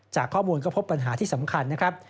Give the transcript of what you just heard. จากข้อมูลก็พบปัญหาที่สำคัญนะครับ